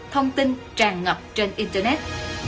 thông tin tràn ngập trên internet